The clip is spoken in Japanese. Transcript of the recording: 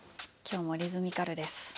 今日もリズミカルです。